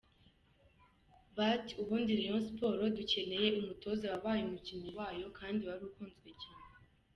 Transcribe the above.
But, ubundi rayon sport dukeneye umutoza wabaye umukinnyi wayo kandi wari ukunzwe cyane.